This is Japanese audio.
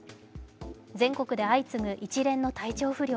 全国で相次ぐ一連の体調不良。